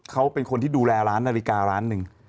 เขาเป็นคนที่ดูแลร้านนาฬิการ้านหนึ่ง